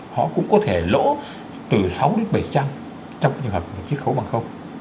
họ cũng có thể lỗ từ sáu đến bảy trăm linh trong trường hợp triết khấu bằng không